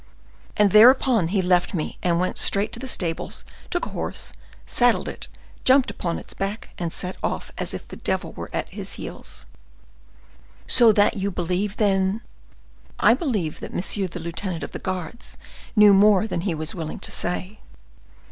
And thereupon he left me and went straight to the stables, took a horse, saddled it himself, jumped upon its back, and set off as if the devil were at his heels." "So that you believe, then—" "I believe that monsieur the lieutenant of the guards knew more than he was willing to say."